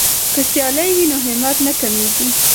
که سیالي وي نو همت نه کمیږي.